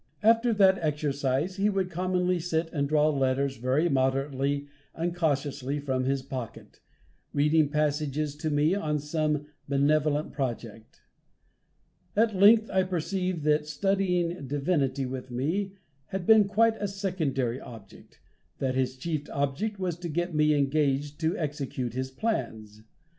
After that exercise he would commonly sit and draw letters very moderately and cautiously from his pocket, reading passages to me on some benevolent project. At length I perceived that studying divinity with me had been quite a secondary object, that his chief object was to get me engaged to execute his plans.